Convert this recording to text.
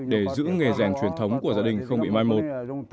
để giữ nghề rèn truyền thống của gia đình không bị mai một